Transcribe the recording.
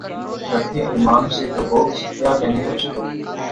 رکھے امام سے جو بغض، کیا کہیں اُس کو؟